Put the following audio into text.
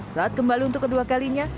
saat kembali untuk kedua kalinya